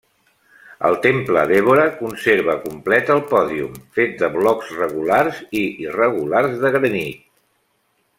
El temple d'Évora conserva complet el pòdium, fet de blocs regulars i irregulars de granit.